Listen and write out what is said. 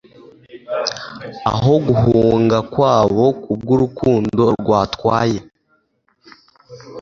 aho guhunga kwabo kubwurukundo rwatwaye